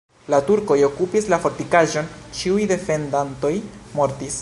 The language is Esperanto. La turkoj okupis la fortikaĵon, ĉiuj defendantoj mortis.